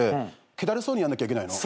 気だるそうにやんなきゃいけないの。